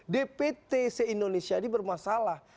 dpt se indonesia ini bermasalah